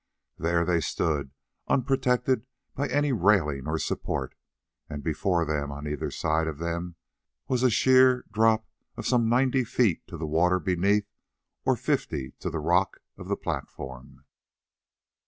There they stood unprotected by any railing or support, and before them and on either side of them was a sheer drop of some ninety feet to the water beneath or of fifty to the rock of the platform.